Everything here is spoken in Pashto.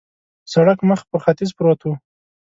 سړک مخ پر ختیځ پروت و.